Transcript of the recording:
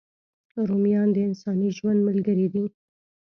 رومیان د انساني ژوند ملګري دي